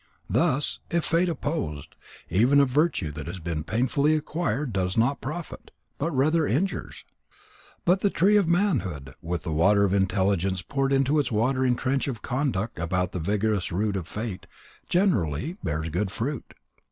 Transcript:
Thus, if fate opposed, even a virtue that has been painfully acquired does not profit, but rather injures. But the tree of manhood, with the water of intelligence poured into its watering trench of conduct about the vigorous root of fate, generally bears good fruit.